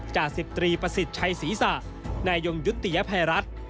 จสิบตรีประสิทธิ์ชัยศีรษะนยงยุติพัยรัฐ